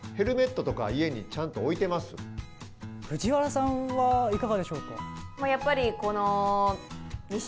なので藤原さんはいかがでしょうか？